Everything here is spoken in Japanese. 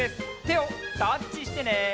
てをタッチしてね！